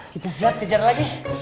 kita siap kejar lagi